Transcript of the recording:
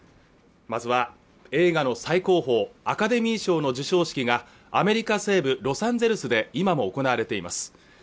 まずは映画の最高峰アカデミー賞の授賞式がアメリカ西部ロサンゼルスで今も行われています